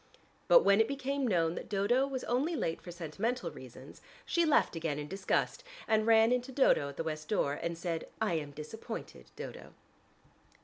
But when it became known that Dodo was only late for sentimental reasons, she left again in disgust, and ran into Dodo at the west door, and said, "I am disappointed, Dodo."